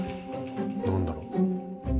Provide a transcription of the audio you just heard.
何だろう？